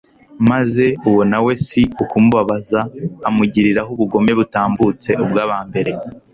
maze uwo na we si ukumubabaza, amugiriraho ubugome butambutse ubw'aba mbere